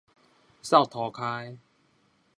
掃塗跤的